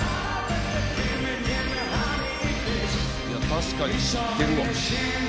確かに知ってるわ。